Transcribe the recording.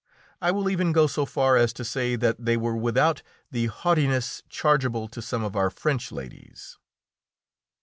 I will even go so far as to say that they are without the haughtiness chargeable to some of our French ladies.